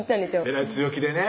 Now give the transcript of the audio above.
えらい強気でね